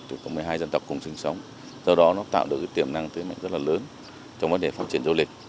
có một mươi hai dân tộc cùng sinh sống do đó nó tạo được tiềm năng rất là lớn trong vấn đề phát triển du lịch